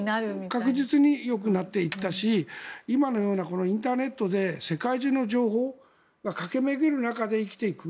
確実によくなっていったし今のようなインターネットで世界中の情報が駆け巡る中で生きていく。